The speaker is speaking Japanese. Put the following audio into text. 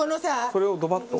それをドバッと？